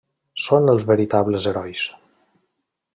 Són els veritables herois.